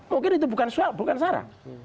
mungkin itu bukan soal bukan sarang